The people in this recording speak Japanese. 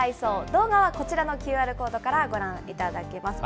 動画はこちらのＱＲコードからご覧いただけます。